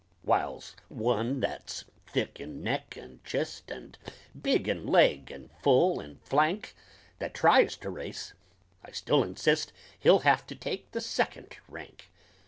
Whilse one that's thick in neck and chist And big in leg and full in flank, That tries to race, I still insist He'll have to take the second rank.